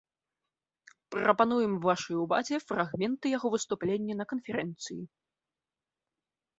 Пра пануем вашай увазе фрагменты яго выступлення на канферэнцыі.